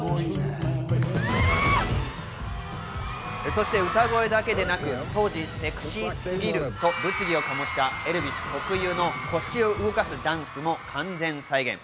そして歌声だけでなく、当時セクシーすぎると物議を醸したエルヴィス特有の腰を動かすダンスも完全再現。